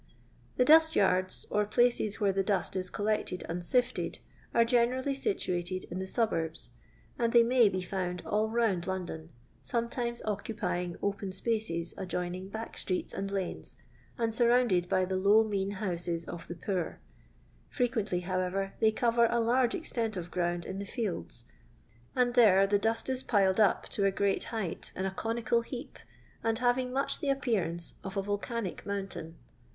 The dnst yards, or places where the dust is collected and sifted, are generally situiited in the suburbs, and they may be found all round London, sometimes occupying open spaces adjoining back streets and lanes, and surrounded by the low mean houses of the poor; frequently, however, they cover a large extent of ground iu the fields, and there the dust is piled up to a great height in a conical heap, and having much the appeanmce of a volcanic mountain.